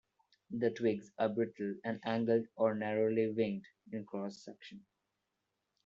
The twigs are brittle, and angled or narrowly winged in cross-section.